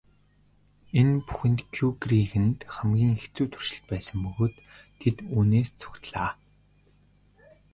Энэ бүхэн Кюрегийнхэнд хамгийн хэцүү туршилт байсан бөгөөд тэд үүнээс зугтлаа.